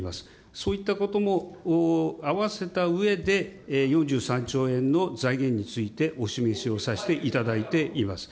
そういったことも合わせたうえで４３兆円の財源についてお示しをさせていただいています。